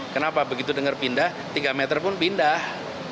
kenapa begitu dengar pindah tiga meter pun pindah